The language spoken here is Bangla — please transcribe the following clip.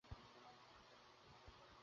সত্য একদিন সামনে আসবেই।